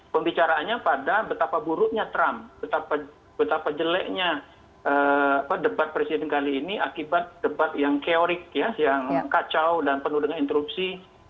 pembicaraannya pada betapa buruknya trump betapa jeleknya debat presiden kali ini akibat debat yang keorik ya yang kacau dan penuh dengan interupsi